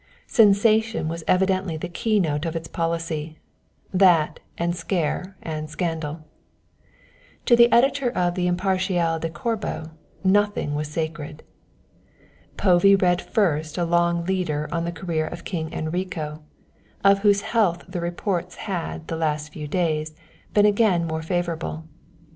Sensation was evidently the keynote of its policy that and scare and scandal. To the editor of the Impartial de Corbo nothing was sacred. Povey read first a long leader on the career of King Enrico, of whose health the reports had the last few days been again more favourable.